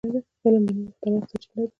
علم د نوو اختراعاتو سرچینه ده.